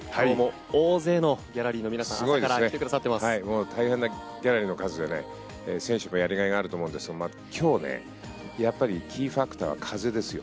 大勢のギャラリーの皆さん大変なギャラリーの数で選手もやりがいがあると思うんですが今日、やっぱりキーファクトは風ですよ。